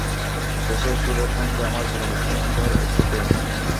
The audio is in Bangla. দেশের সুরের সঙ্গে আমার জীবনের সুরের অদ্ভুত এই মিল!